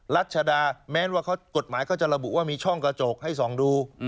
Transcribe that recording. รัชดาแม้ว่ากฎหมายเขาจะระบุว่ามีช่องกระจกให้ส่องดู